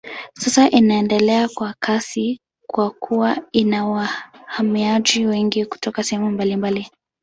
Sasa inaendelea kwa kasi kwa kuwa ina wahamiaji wengi kutoka sehemu mbalimbali.